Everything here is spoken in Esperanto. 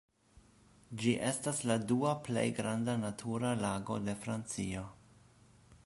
Ĝi estas la dua plej granda natura lago de Francio.